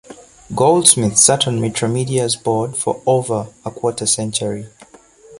Goldsmith sat on Metromedia's board for over a quarter-century.